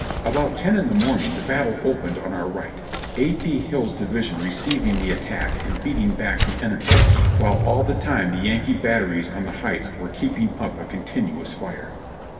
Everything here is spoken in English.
About ten in the morning the battle opened on our right, A. P. Hill's division receiving the attack and beating back the enemy, while all the time the Yankee batteries on the heights were keeping up a continuous fire.